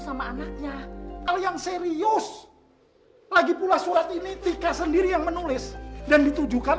sama anaknya kalau yang serius lagi pula surat ini tika sendiri yang menulis dan ditujukan